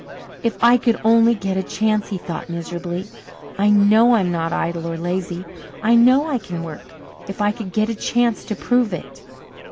"If I could only get a chance!" he thought miserably. "I know I am not idle or lazy I know I can work if I could get a chance to prove it."